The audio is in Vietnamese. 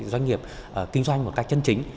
doanh nghiệp kinh doanh một cách chân chính